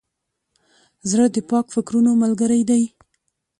زړه د پاک فکرونو ملګری دی.